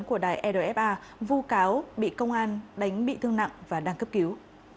của đài edfa vô cáo bị công an đánh bị thương nặng và đăng cấp cứu